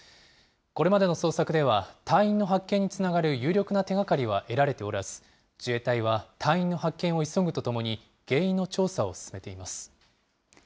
これまでの捜索では、隊員の発見につながる有力な手がかりは得られておらず、自衛隊は、隊員の発見を急ぐとともに、原因の調査を進めています。